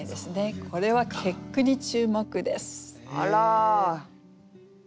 これは結句に注目です。